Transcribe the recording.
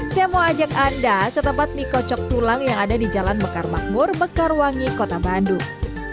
saya mau ajak anda ke tempat mie kocok tulang yang ada di jalan mekar makmur mekarwangi kota bandung